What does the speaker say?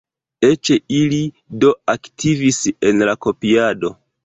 Eĉ ili, do, aktivis en la kopiado.